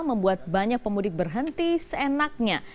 membuat banyak pemudik berhenti seenaknya